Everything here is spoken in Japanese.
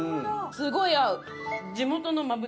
すごい合う。